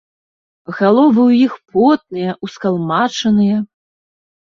Галовы ў іх потныя, ускалмачаныя.